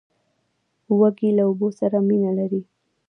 وزې له اوبو سره مینه لري